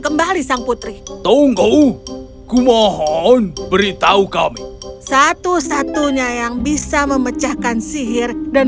kembali sang putri tunggu kumohon beritahu kami satu satunya yang bisa memecahkan sihir dan